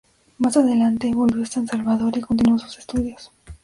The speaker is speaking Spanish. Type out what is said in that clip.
Más adelante, volvió a San Salvador y continuó sus estudios.